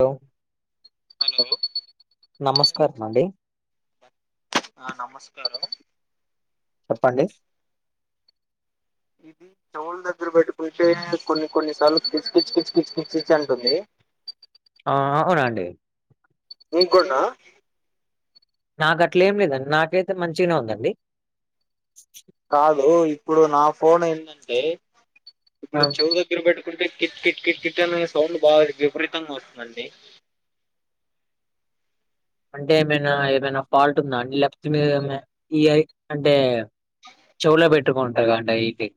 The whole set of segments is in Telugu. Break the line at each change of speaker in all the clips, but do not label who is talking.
హలో
హలో
నమస్కారం అండి
ఆ నమస్కారం
చెప్పండి
ఇది చెవులు దగ్గర పెట్టుకుంటే కొన్ని కొన్నిసార్లు కిచి కిచ కిచ కచి కచి అంటుంది
ఆ అవునండి
మీకు కూడానా
నాకు అట్లే ఏం లేదండి నాకైతే మంచిగానే ఉందండి
కాదు ఇప్పుడు నా ఫోన్ ఏంటంటే
ఆ,
ఇప్పుడు చూడుచు ఇరు పెట్టుకుంటే కిట్ కిట్ కిట్ కిట్ అనే సౌండ్ బాగా విపరీతంగా వస్తుందండి
అంటే ఏమైనా ఏమైనా ఫాల్ట్ ఉందా అండి లేకపోతే మీద ఈ ఐ అంటే చెవులో పెట్టుకుంటారు కదడి అయ్యండి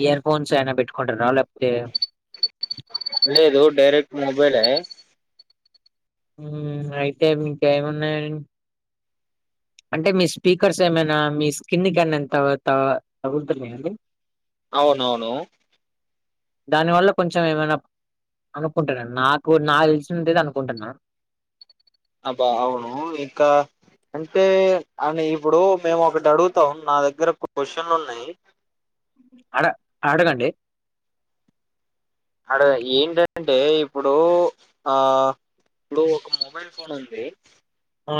ఇయర్ ఫోన్స్ అయినా పెట్టుకుంటారు లేకపోతే
లేదు డైరెక్ట్ మొబైల్
ఉమ్ నైట్ టైం ఇంకేంఉన్నాయి అంటే మీ స్పీకర్స్ ఏమైనా మీ స్కిన్ కాన్నా ఎం త త తగులుతున్నాయాండి
అవునవును
దాని వల్ల కొంచెం ఏమైనా అనుకుంటున్నా నాకు నా తెలిసిన అనుకుంటున్నాను
అబ్బా అవును ఇంకా అంటే అమే ఇప్పుడు మేము ఒకటి అడుగుతాం నా దగ్గర క్వశ్చన్ లు ఉన్నాయి
ఆడ ఆడగండి
అడ ఏంటంటే ఇప్పుడు ఆ ఇప్పుడు ఒక మొబైల్ ఫోన్ ఉంది
ఆ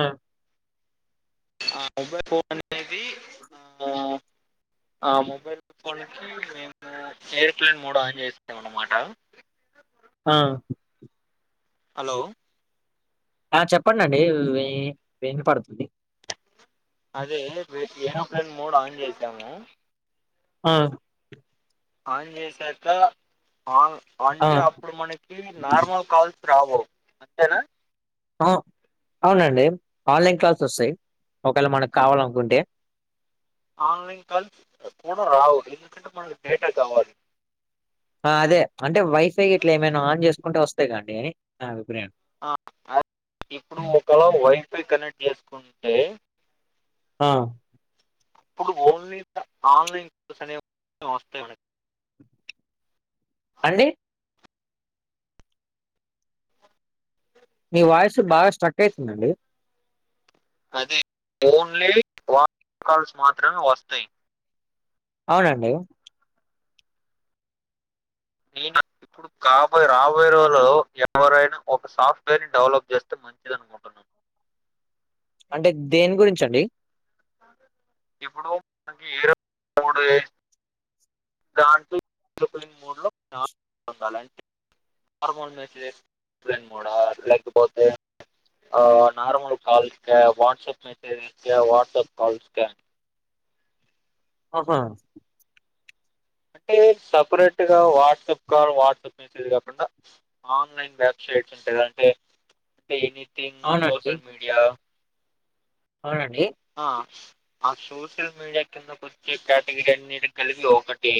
ఆ మొబై ఫోన్ అనేది ఆ ఆ మొబైల్ ఫోన్ కి మేము ఎయిర్ ప్లైన్ మోడ్ ఆన్ చేసాం అన్నమాట
ఆ
హలో
ఆ చెప్పండిండి వి వినపడుతుంది
అదే విడ్ ఏరోప్లేన్ మోడ్ ఆన్ చేసాము
ఆ
ఆన్ చేసాక ఆన్
ఆ
అంటే అప్పుడు మనకి నార్మల్ కాల్స్ రావు అంతేనా
అహో అవునండి వాళ్ళ ఇంట్లో నుంచి వస్తాయి ఒకవేళ మనకు కావాలనుకుంటే
ఆన్లైన్ కలిసి కూడా రావదు ఎందుకంటే మనకి డేటా కావాలి
ఆ అదే అంటే వైఫై ఇట్లా ఏమైనా ఆన్ చేసుకుంటే వస్తేగానీ నా అభిప్రాయం
ఆ ఇప్పుడు ఒకలా వైఫై కనెక్ట్ చేసుకుంటే
ఆ
ఆప్పుడు ఓన్లీ ఆన్లైన్స్ అనే వస్తాయి
అండి మీ వాయిస్ బాగా స్ట్రక్ అయితుందండి
అదే ఓన్లీ వన్ కాల్స్ మాత్రమే వస్తాయి
అవునండి
కాబోయయి రాబోయే రోజులో ఎవరైనా ఒక సాఫ్ట్వేర్ ని డెవలప్ చేస్తే మంచిది అనుకుంటున్నా
అంటే దేని గురించి అండి
ఇప్పుడు మనకి ఏర మూడే దాంట్లో [unintelligible] రెండ్ మూడ లేకపోతే నార్మల్ కాల్స్ కా వాట్సాప్ మెసేజెస్ కా వాట్సాప్ కాల్స్ క
ఆహా
టె సపరేట్గా వాట్సాప్ కాల్ వాట్సాప్ మెసేజ్ కాకుండా ఆన్లైన్ వెబ్సైట్స్ ఉంటదంటే పెయిని పేన్
అవున అచ్చి
యా
అవునండి
ఆ ఆ సోషల్ మీడియాకి వచ్చే కేటగిరి అన్నిటికి కలిపి ఒకటి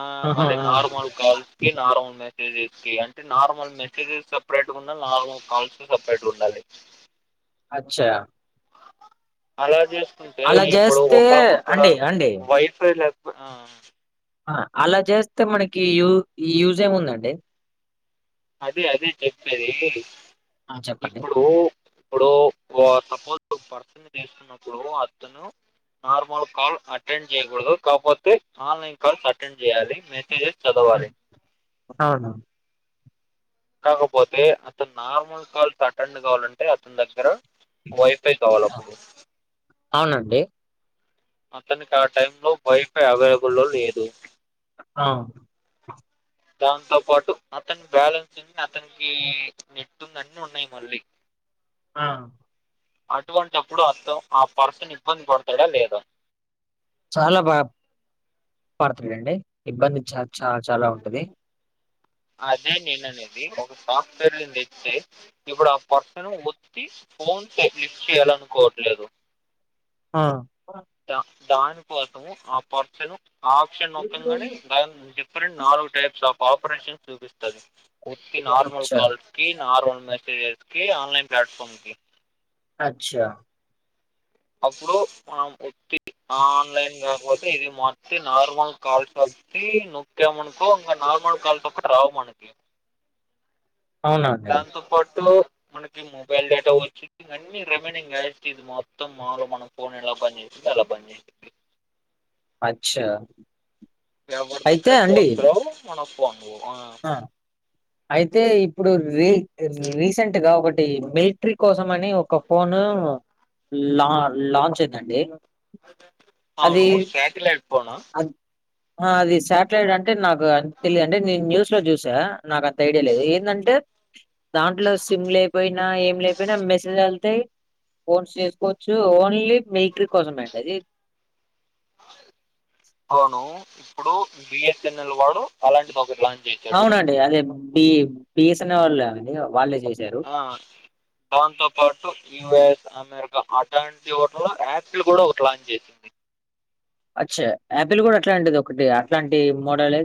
ఆ
ఆహా
మళ్ళీ
ఆ
నార్మల్ కాల్స్ కి నార్మల్ మెసేజెస్ కి అంటే నార్మల్ మెసేజెస్ సపరేట్గా ఉన్న నార్మల్ కాల్స్ సపరేట్ ఉండాలి
అచ్చా
అలా చేసుకుంటే
అలా
ఇప్పుడు
చేస్తే
ఒక్కడ మొనకడ
అండి అండి
వైఫై లేక ఆ
ఆ అలా చేస్తే మనకి యూ యూజ్ ఏం ఉందండి
అదే అదే చెప్పేది
ఆ చెప్పండి.
ఇప్పుడు ఇప్పుడు ఓ సపోజ్ ఒక పర్సన్ తీసుకున్నప్పుడు అతను నార్మల్ కాల్ అటెండ్ చేయకూడదు కాకపోతే ఆన్లైన్ కాల్స్ అటెండ్ చేయాలి మెసేజెస్
ఆ!
చదవాలి
అవును
కాకపోతే అతను నార్మల్ కాల్ అటెండ్ కావాలంటే అతని దగ్గర వైఫై కావాలి అప్పుడు
అవునండి
అతనికి ఆ టైం లో వైఫై అవైలబుల్ లో లేదు
ఆ
దాంతో పాటు అతని బ్యాలెన్స్ ఉంది అతనికి నెట్ ఉంది అన్ని ఉన్నాయి మళ్ళీ
ఆ
అటువంటిప్పుడు అతను ఆ పర్సన్ ఇబ్బంది పడతాడా లేదా
చాలా బాదా పడుతడు అండి ఇబ్బంది చ చ చాలా ఉంటది
అదే నేను అనేది ఒక సాఫ్ట్వేర్ నీ నేను తెత్తే ఇప్పుడు ఆ పర్సను ఒత్తి ఫోన్ పే లిఫ్ట్ చేయ్యాల అనుకోవట్లేదు
ఆ
ద దానికోసము ఆ పర్సన్ ఆప్షన్ నొక్కంగానే దా డిఫరెంట్ నాలుగు టైప్స్ ఆఫ్ ఆపరేషన్స్ చూపిస్తది వత్తి నార్మల్
అచ్చా!
కాల్స్ కి నార్మల్ మెసేజెస్ కి ఆన్లైన్ ప్లాట్ఫార్మ్ కి
అచ్చా
అప్పుడు మనం వత్తి ఆన్లైన్ కాకపోతే ఇది మట్టి నార్మల్ కాల్స్ లో కి నొక్కమనుకో ఇంకా నార్మల్ కాల్ పక్క రావు మనకి
అవునండి.
దాంతోపాటు మనకి మొబైల్ డేటా వచ్చిద్ధి అన్ని రెమైనింగ్ యాస్ టిజ్ మో మొత్తం మాములు మనం ఫోన్ ఏలా పనిచేసిందో అలా పనీ చేస్తది
అచ్చా
ఎవరి
అయితే
దగ్గర
అండి.
ఫోన్స్ లేవు, మనకు ఫోన్లు పోవు.
ఆ అయితే ఇప్పుడు రీ రీసెంట్ గా ఒకటి మిలిట్రీ కోసం అని ఒక ఫోను లా లాంచ్ అయిందండి. అది
అవును శాటిలైట్ ఫోనా
అ ఆ అది సాటిలైట్ అంటే నాకు తెలియదండి నేను న్యూ స్లో చూసా నాకు అంత ఐడియా లేదు ఏందంటే దాంట్లో సిమ్ లేకపోయినా ఏం లేకపోయినా మెసేజ్ ఎళ్తయి ఫోన్స్ చేసుకోవచ్చు ఓన్లీ మిలిట్రీ కోసమే అండి అది.
అవును ఇప్పుడు బిఎస్ఎన్ఎల్ వాడు అలాంటిది ఒకటి లాంచ్ చేశాడు
అవునండి అదే బి బిఎస్ఎన్ఎల్ వాళ్ళే అండి వాళ్లే చేసారు.
ఆ దాంతో పాటు యుఎస్ అమెరికా అటులాంటి ఓట్ల యాప్స్లు కూడా లాంచ్ చేసింది.
అచ్చా యాపిల్ కూడా అట్లాంటిది ఒకటి అట్లాంటి మోడలే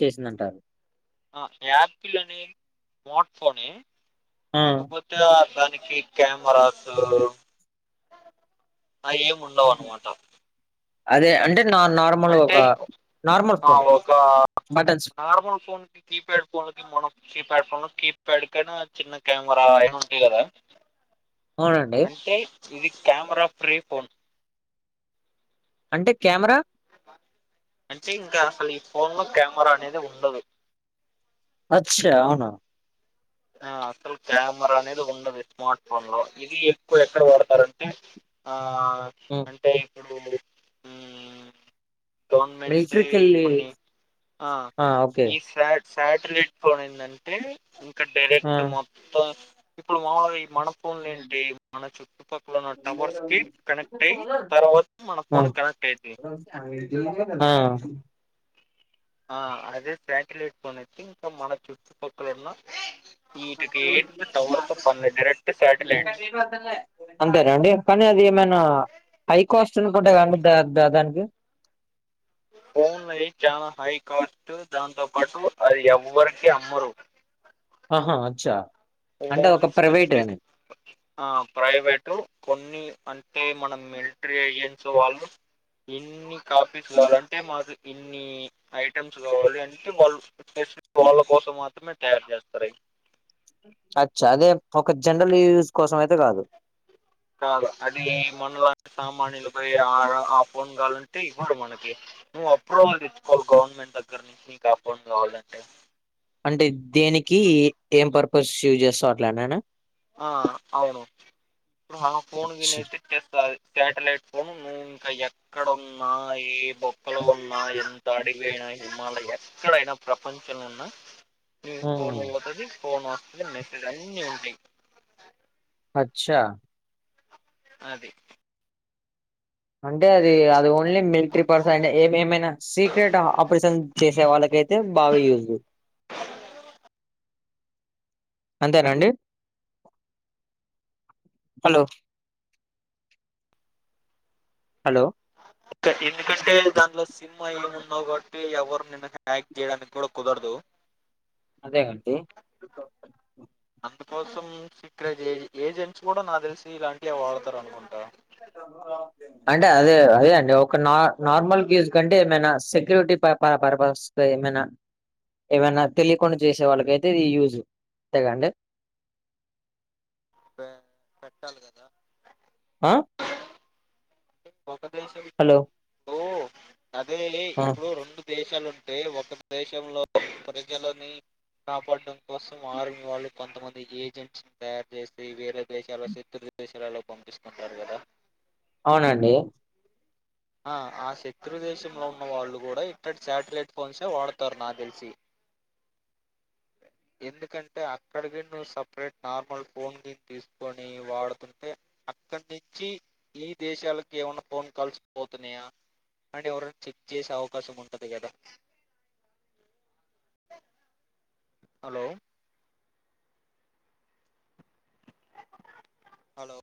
చేసిందంటారు.
ఆ యాపిల్ అని స్మార్ట్ ఫోనే
ఆ
కాకపోతే దానికి కెమెరాస్ అయ్యేం ఉండవు
హ్మ్.
అన్మాటా.
అదే అంటే నా నార్
అంటే [inaudible] ఆ ఒక
buttons phone.
Normal phone keypad ఫోన్లకి మనం కీప్యాడ్ ఫోన్లో కీప్యాడ్ కైనా చిన్న కెమెరా అయినా ఉంది కదా.
అవునండి.
అంటే ఇది కెమెరా ఫ్రీ ఫోన్.
అంటే కెమెరా
అంటే ఇంకా అసలు ఈ ఫోన్ లో కెమెరా అనేదే ఉండదు.
అచ్చా అవునా.
ఆ అసలు కెమెరా అనేది ఉండదు ఈ స్మార్ట్ ఫోన్లో, ఇది ఎక్కువ ఎక్కడ వాడతారంటే ఆ
ఉ
అంటే ఇప్పుడు ఉ గవర్నమెంట్స్వి
మిలిటరీకెళ్ళి
కొన్ని ఆ ఈ సాట్ సాటిలైట్ ఫోన్ ఏందంటే ఇంకా
ఆ
డైరెక్ట్ మొత్తం ఇప్పుడు మామూలుగా ఈ మన ఫోన్లు ఏంటి మన చుట్టుప క్కలున టవర్స్‌కి కనెక్ట్ అయి తర్వాత మన ఫోన్‌కి కనెక్ట్ అయితయి.
ఆ
ఆ అదే శాటిలైట్ ఫోన్ అయితే ఇంకా మన చుట్టుపక్కల ఉన్న ఈటికి ఏటికి టవర్‌తో పనిలే డైరెక్ట్ శాటిలైట్స్
ఇవి వద్దన్లే. అంతేనా అండి కానీ అది ఏమైనా హైకాస్ట్ అనుకుంటా కదండి ద ద దానికి.
ఫోన్లయి చానా హైకాస్ట్ దాంతో పాటు అయి ఎవ్వరికి అమ్మరు.
ఆహా అచ్చా అంటే ఒక
ఓన్లీ
ప్రైవేట్
స్పెసిఫిక్
అని
ఆ ప్రైవేటు కొన్ని అంటే మనం మిలిట్రీ ఏజెంట్స్ వాళ్ళు ఇన్ని కాపీస్ కావాలంటే మాకు ఇన్ని ఈ ఐటెమ్స్ కావాలి అంటే వాళ్ళు [inaudible] వాళ్ళ కోసం మాత్రమే తయారు చేస్తారు అయి.
అచ్చా అదే ఒక జనరల్ యూజ్ కోసం అయితే కాదు.
కాదు అది మనలాంటి సామాన్యులపై ఆ ఆఫోన్ కావాలంటే ఇవ్వరు మనకి. నువ్వు అప్రూవల్ తేచ్చుకోవాలి గవర్నమెంట్ దగ్గర నుంచి నీకు ఆ ఫోన్ కావాలంటే.
అంటే దేనికి ఏం పర్పస్ యూజ్ చేస్తావ్ అట్లానేనా?
ఆ అవును ఇప్పుడు ఆ ఫోన్ గినాఐతే. చెప్పాలి. శాటిలైట్ ఫోన్ నువ్ ఇంకా ఎ ఇక్కడ ఉన్నా, ఈ బొక్కలో ఉన్నా ఎంత ఆడికి పోయిన హిమాలయస్ ఎక్కడైనా ప్రపంచంలో ఉన్న మీ
ఆ
ఫోన్ పోతాది ఫోన్ వస్తాది. మెసేజ్ అన్నీ ఉంటాయి.
అచ్చా
అది
అంటే అది అది ఓన్లీ మిలిట్రీ పర్సన్ అంటే ఏమైనా సీక్రెట్ ఆపరేషన్ చేసే వాళ్ళకైతే బాగా యూజు. అంతేనాండి. హలో హలో
ఇ ఎందుకంటే దాంట్లో సినిమా ఏమూ ఉన్నావు కాబట్టి అంటే ఎవరు నిన్ను హ్యాక్ చేయడానికి కూడా కుదరదు.
అంతే గా అండి.
అందుకోసం సిక్రెట్ ఎ ఏజెంట్స్ కూడా నాకు తెలిసి ఇలాంటివి వాడతారు అనుకుంటా.
ఎక్కడా? అంటే అదే అదే అండి ఒక నార్మల్ గేజ్ కంటే ఏమైనా సెక్యూరిటీ ప పర్పస్. ఏమైనా ఏమైనా తెలియకుండా చేసే వాళ్ళకి అయితే ఇది యూజ్ అంతే గా అండి.
బె పెట్టాలి గదా?
ఆ
ఒక దేశం
హలో
ఇప్పుడు అదే
ఆ
ఇప్పుడు రెండు దేశాలు ఉంటే, ఒక దేశంలో ప్రజలని కాపాడడం కోసం ఆర్మీ వాళ్ళు కొంతమంది ఏజెంట్స్ తయారు చేసి వేరే దేశాలో శత్రు దేశాలలో పంపిస్తుంటారు గదా.
అవునండి.
ఆ ఆ శత్రు దేశంలో ఉన్న వాళ్ళు గూడా ఇక్కటి శాటిలైట్ ఫోన్సే వాడతారు నాకు తెలిసి. ఎందుకంటే అక్కడి కి నువ్వు సెపరేట్ నార్మల్ ఫోన్ గీని తీసుకొని వాడుతుంటే అక్కడి నుంచి నీ దేశాలకు ఏమన్నా ఫోన్ కాల్స్ పోతున్నాయా అంటే ఎవరన్న చెక్ చేసే అవకాశం ఉంటాది కదా? Hello hello